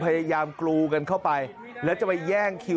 พยายามกรูกันเข้าไปแล้วจะไปแย่งคิว